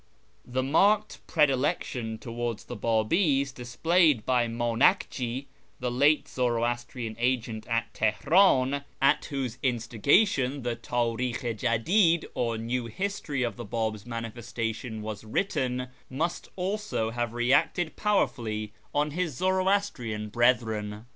The marked predilection towards the Babis displayed by Manakji, the late Zoroastrian agent at Teheran, at whose instigation the Tdrikli i Jadid, or " New History " of the Bab's " Manifestation," was written, must also have re acted power fully on his Zoroastrian brethren.